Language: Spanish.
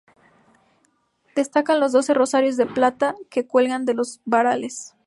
Destacan los doce rosarios de plata que cuelgan de los varales.